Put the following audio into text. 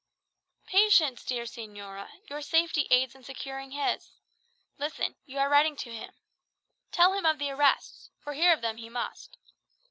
"Patience, dear señora! Your safety aids in securing his. Listen. You are writing to him. Tell him of the arrests; for hear of them he must.